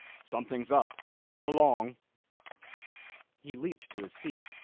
'Something's up. Come along.' He leaped to his feet.